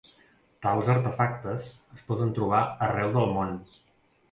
Tals artefactes es poden trobar arreu del món.